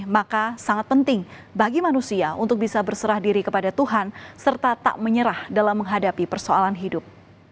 maka sangat penting bagi manusia untuk bisa berserah diri kepada tuhan serta tak menyerah dalam menghadapi persoalan hidup